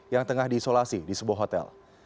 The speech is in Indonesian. yang tengah diisolasi di sebuah hotel